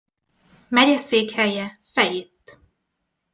Megyeszékhelye Fayette.